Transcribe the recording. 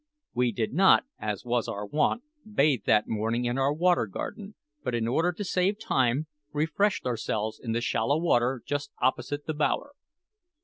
We did not, as was our wont, bathe that morning in our Water Garden, but in order to save time, refreshed ourselves in the shallow water just opposite the bower.